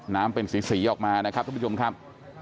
น้ำเป็นสีออกมานะครับทุกผู้ชมครับ